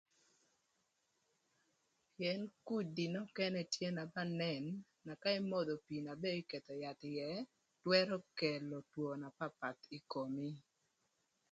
Pïën kudi nökënë tye ba nen ka imodho pii na ba eketho yath ïë twërö kelo two na papath ï komi.